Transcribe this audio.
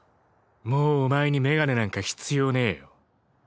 もうお前に眼鏡なんか必要ねぇよ。